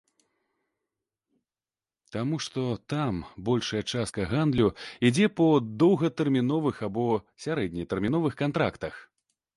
Таму што там большая частка гандлю ідзе па доўгатэрміновых або сярэднетэрміновых кантрактах.